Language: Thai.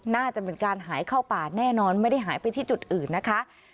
น่าจะเป็นการหายเข้าป่าแน่นอนไม่ได้หายไปที่จุดอื่นนะคะ